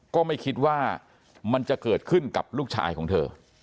ก็ไม่คิดว่ามันจะเกิดขึ้นกับลูกชายของเธอ